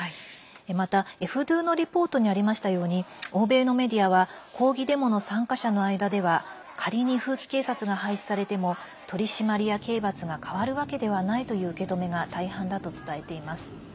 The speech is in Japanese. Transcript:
またＦ２のリポートにありましたように欧米のメディアは抗議デモの参加者の間では仮に風紀警察が廃止されても取り締まりや刑罰が変わるわけではないという受け止めが大半だと伝えています。